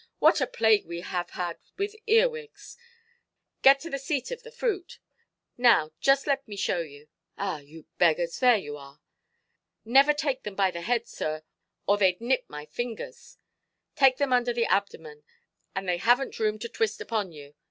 What a plague we have had with earwigs! Get into the seat of the fruit; now just let me show you. Ah, you beggars, there you are. Never take them by the head, sir, or theyʼd nip my fingers. Take them under the abdomen, and they havenʼt room to twist upon you.